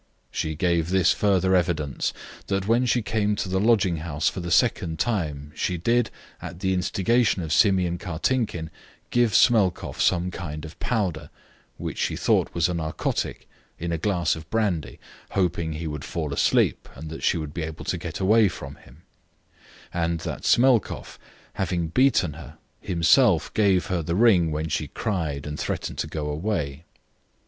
She gave this further evidence that when she came to the lodging house for the second time she did, at the instigation of Simeon Kartinkin, give Smelkoff some kind of powder, which she thought was a narcotic, in a glass of brandy, hoping he would fall asleep and that she would be able to get away from him; and that Smelkoff, having beaten her, himself gave her the ring when she cried and threatened to go away.